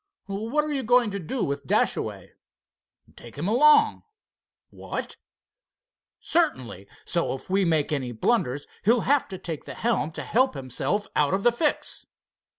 "What are you going to do with Dashaway?" "Take him along." "What!" "Certainly, so if we make any blunders he'll have to take the helm to help himself out of the fix."